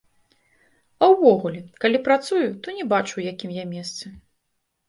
А ўвогуле, калі працую, то не бачу, у якім я месцы.